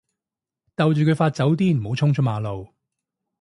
逗住佢發酒癲唔好衝出馬路